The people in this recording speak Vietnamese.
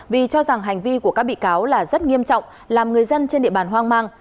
vì cho rằng hành vi của các bị cáo là rất nghiêm trọng làm người dân trên địa bàn hoang mang